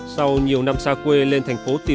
sau nhiều năm xa quê lên thành phố